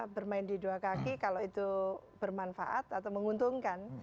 bermain di dua kaki kalau itu bermanfaat atau menguntungkan